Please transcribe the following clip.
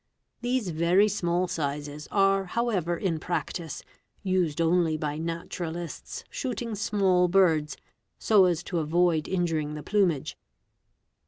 These very small sizes are however in practice used only by naturalists shooting | small birds, so as to avoid injuring the plumage.